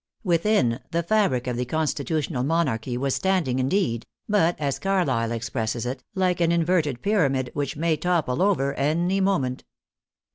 Within, the fabric of Uie constitutional monarchy was standing, indeed; but, as Carlyle expresses it, like an in verted pyramid, which may topple over any moment.